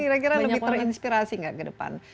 kira kira lebih terinspirasi nggak ke depan